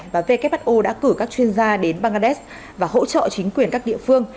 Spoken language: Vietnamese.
và who đã cử các chuyên gia đến bangladesh và hỗ trợ chính quyền các địa phương